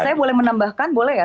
oke saya boleh menambahkan ya